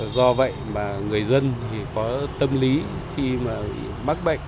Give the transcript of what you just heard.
do vậy mà người dân thì có tâm lý khi mà mắc bệnh